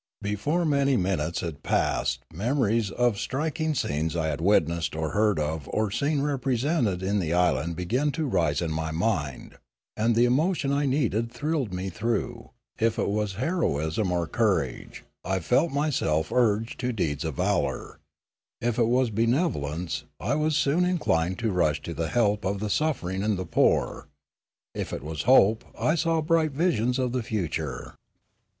Before many minutes had passed memories of striking scenes I had witnessed or heard of or seen represented in the island began to rise in my mind, and the emotion I needed thrilled me through; if it was heroism or courage, I felt myself urged to deeds of valour; if it was benevo lence, I was soon inclined to rush to the help of the suffering and the poor; if it was hope, I saw bright visions of the future.